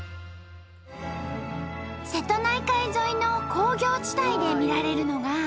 瀬戸内海沿いの工業地帯で見られるのが。